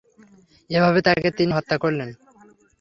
এভাবে তাকে তিনি হত্যা করলেন।